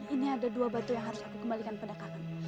ini ada dua batu yang harus aku kembalikan pada kakak